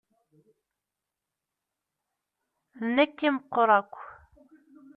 D nekk i meqqer akk.